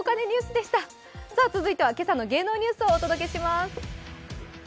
続いては今朝の芸能ニュースをお届けします。